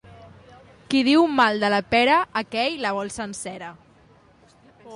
Qui diu mal de la pera, aquell la vol sencera.